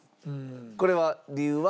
これは理由は？